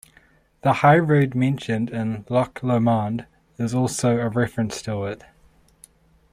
The High Road mentioned in "Loch Lomond" is also a reference to it.